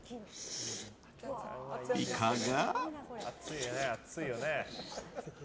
いかが？